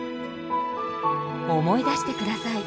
思い出して下さい。